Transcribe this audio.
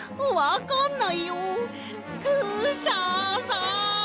クシャさん！